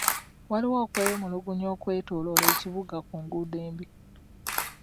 Waaliwo okwemulugunya okwetooloola ekibuga ku nguudo embi.